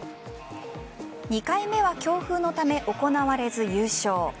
２回目は強風のため行われず優勝。